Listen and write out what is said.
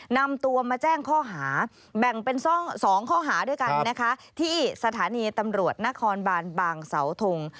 นำตัวมาแจ้งข้อหาแบ่งเป็น๒ข้อหาด้วยกันนะคะที่สถานีตำรวจนครบานบางเสาทง